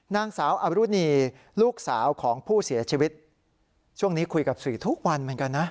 นางสาวอรุณีลูกสาวของผู้เสียชีวิตช่วงนี้คุยกับสื่อทุกวันเหมือนกันนะ